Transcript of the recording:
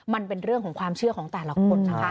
มันเป็นเรื่องของความเชื่อของแต่ละคนนะคะ